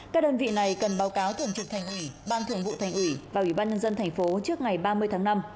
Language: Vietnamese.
các đơn vị này cần báo cáo thường trực thành ủy ban thường vụ thành ủy và ủy ban nhân dân thành phố trước ngày ba mươi tháng năm